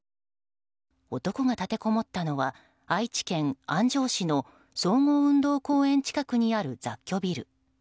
男が立てこもったのは愛知県安城市の総合運動公園近くにある雑居ビル。